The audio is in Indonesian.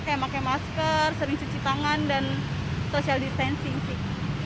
kayak pakai masker sering cuci tangan dan social distancing sih